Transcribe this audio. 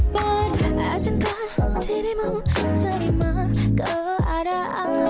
beragamkan dirimu terima keadaan lu